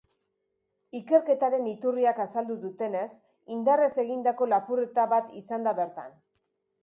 Ikerketaren iturriak azaldu dutenez, indarrez egindako lapurreta bat izan da bertan.